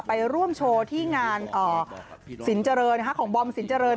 ไปร่วมโชว์ที่งานสินเจริญของบอมสินเจริญ